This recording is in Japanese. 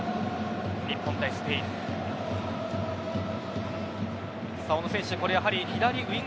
日本対スペイン。